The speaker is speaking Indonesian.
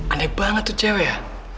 aneh banget tuh cewek